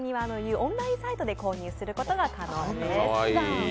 オンラインサイトで購入することが可能です。